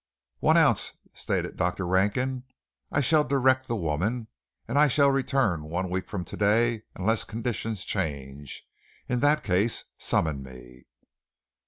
"One ounce," stated Dr. Rankin. "I shall direct the woman, and I shall return one week from to day unless conditions change. In that case, summon me."